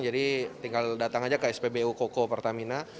jadi tinggal datang saja ke spbu koko pertamina